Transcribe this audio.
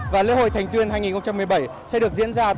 và lễ hội thành tuyên hai nghìn một mươi bảy sẽ được diễn ra